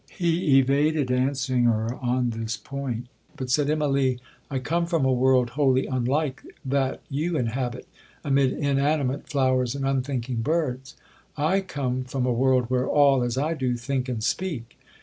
He evaded answering her on this point, but said, 'Immalee, I come from a world wholly unlike that you inhabit, amid inanimate flowers, and unthinking birds. I come from a world where all, as I do, think and speak.'